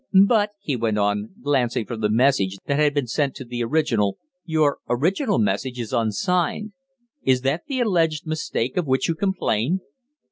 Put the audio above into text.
"But," he went on, glancing from the message that had been sent to the original, "your original message is unsigned. Is that the alleged mistake of which you complain?"